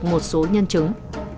một số nhân chứng